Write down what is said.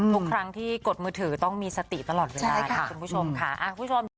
ทุกครั้งที่กดมือถือต้องมีสติตลอดเวลาค่ะคุณผู้ชมค่ะ